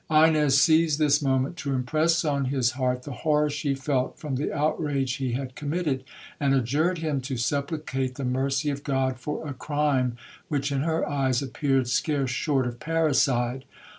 Ines seized this moment to impress on his heart the horror she felt from the outrage he had committed, and adjured him to supplicate the mercy of God for a crime, which, in her eyes, appeared scarce short of parricide.